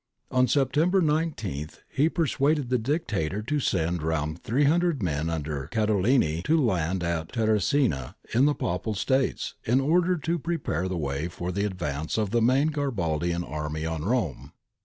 On September 19 he persuaded the Dictator to send round 300 men under Cadolini to land at Terracina in the Papal States in order to prepare the way for the advance of the main Garibaldian army on Rome.